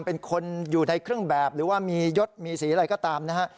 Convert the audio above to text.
เป็นคนอยู่ในเครื่องแบบหรือว่ามียศมีสีอะไรก็ตามนะฮะ